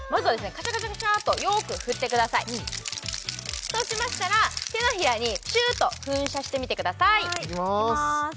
カチャカチャカチャとよく振ってくださいそうしましたら手のひらにプシューッと噴射してみてくださいいきます